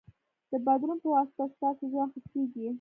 د بدلون پواسطه ستاسو ژوند ښه کېږي.